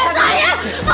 jangan kembali saya